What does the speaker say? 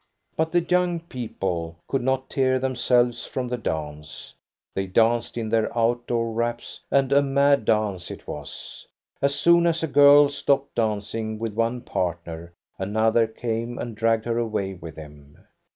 But the young people could not tear themselves from the dance. They danced in their out door wraps, and a mad dance it was. As soon as a girl stopped dancing with one partner, another came and dragged her away with him.